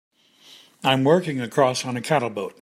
I'm working across on a cattle boat.